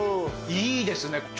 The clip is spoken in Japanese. いいですね